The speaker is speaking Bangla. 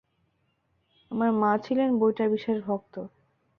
আমার মা ছিলেন বইটার বিশেষ ভক্ত।